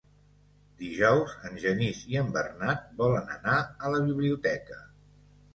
Dijous en Genís i en Bernat volen anar a la biblioteca.